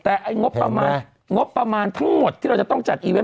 แต่งบประมาณทั้งหมดที่เราจะต้องจัดวรรษ